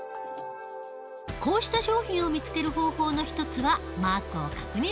こうした商品を見つける方法の一つはマークを確認する事。